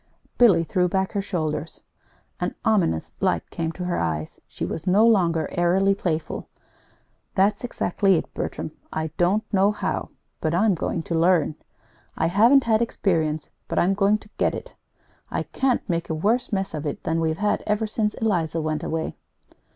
Billy threw back her shoulders. An ominous light came to her eyes. She was no longer airily playful. "That's exactly it, Bertram. I don't know how but I'm going to learn. I haven't had experience but I'm going to get it. I can't make a worse mess of it than we've had ever since Eliza went, anyway!"